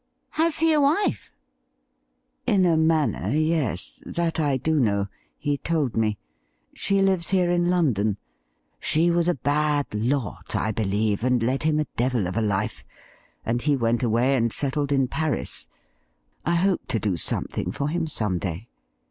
' Has he a wife i"' ' In a manner, yes ; that I do know — ^he told me. She lives here in London. She was a bad lot, I believe, and led him a devil of a life, and he went away and settled in 'WILL YOU STAND IN WITH us?' 167 Paris. I hope to do something for him some day.